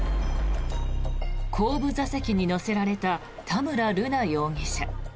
後部座席に乗せられた田村瑠奈容疑者。